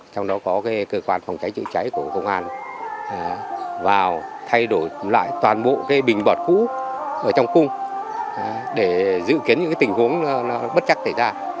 trong đó có cơ quan phòng cháy chữa cháy của công an vào thay đổi lại toàn bộ bình bọt cũ ở trong cung để dự kiến những tình huống bất chắc xảy ra